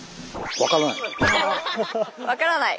わからない。